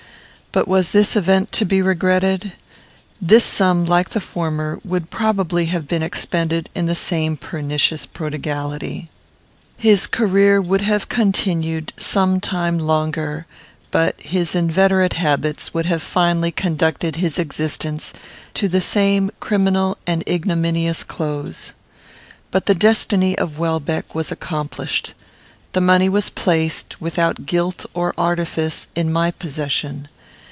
But was this event to be regretted? This sum, like the former, would probably have been expended in the same pernicious prodigality. His career would have continued some time longer; but his inveterate habits would have finally conducted his existence to the same criminal and ignominious close. But the destiny of Welbeck was accomplished. The money was placed, without guilt or artifice, in my possession.